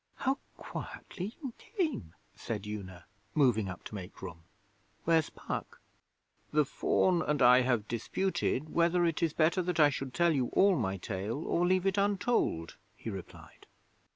'How quietly you came!' said Una, moving up to make room. 'Where's Puck?' 'The Faun and I have disputed whether it is better that I should tell you all my tale, or leave it untold,' he replied.